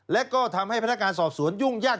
และก็ทำให้พนักงานสอบสวนยุ่งยาก